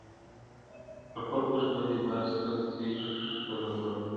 پر خپل اوښ به دې بار سپک سي ښه به ځغلي.